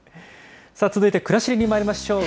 続いてくらしりにまいりましょう。